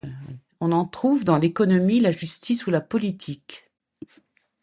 On en trouve dans l'économie, la justice ou la politique.